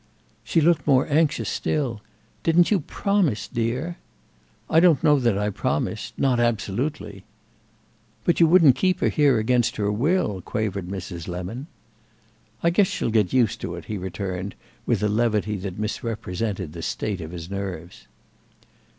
She looked more anxious still. "Didn't you promise, dear?" "I don't know that I promised—not absolutely." "But you wouldn't keep her here against her will?" quavered Mrs. Lemon. "I guess she'll get used to it," he returned with a levity that misrepresented the state of his nerves.